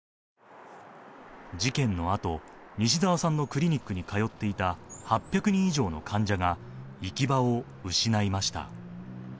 事件のあと、西澤さんのクリニックに通っていた８００人以上の患者が行き場を失いました。